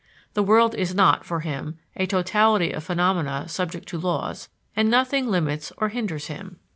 The world is not, for him, a totality of phenomena subject to laws, and nothing limits or hinders him.